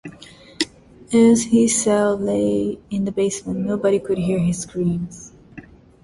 As his cell lay in the basement, nobody could hear his screams.